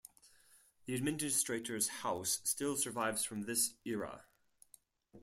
The Administrator's House still survives from this era.